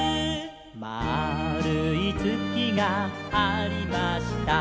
「まあるいつきがありました」